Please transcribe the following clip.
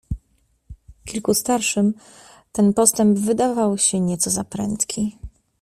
"Kilku starszym ten postęp wydawał się nieco za prędki."